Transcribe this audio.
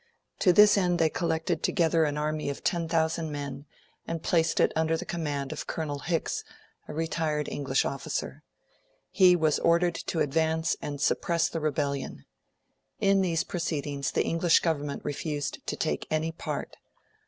To this end they collected together an army of 10,000 men, and placed it under the command of Colonel Hicks, a retired English officer. He was ordered to advance and suppress the rebellion. In these proceedings the English Government refused to take any part.